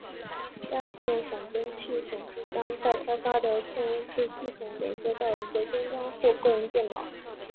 在线仿真器总是将待开发的嵌入式系统连接到一个终端或个人电脑。